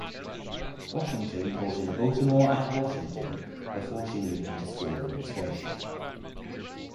Washington taught in Baltimore and Washington before she moved into school administration.